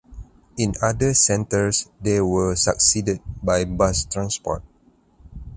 In other centres they were succeeded by bus transport.